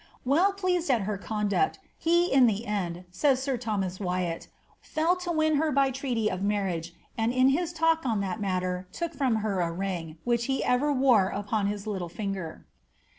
'^^ Well pleased at her conduct, he i the end, says sir Thomas Wyatt, ^ fell to win her by treaty of marri^ and in his talk on that matter took from her a ring, which he ever woi upon his little finger.